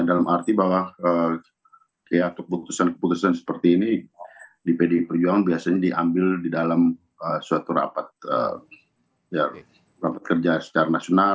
dalam arti bahwa keputusan keputusan seperti ini di pdi perjuangan biasanya diambil di dalam suatu rapat kerja secara nasional